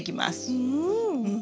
うん！